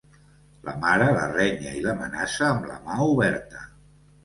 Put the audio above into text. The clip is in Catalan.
La mare la renya i l'amenaça amb la mà oberta.